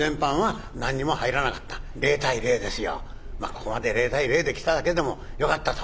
「ここまで０対０で来ただけでもよかった」と。